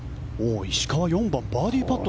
石川、４番バーディーパット。